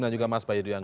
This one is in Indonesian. dan juga mas bayu duyang